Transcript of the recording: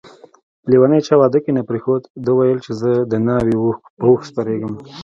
لیونی چا واده کی نه پریښود ده ويل چي زه دناوی په اوښ سپریږم